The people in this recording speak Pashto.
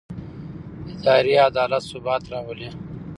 اداري عدالت ثبات راولي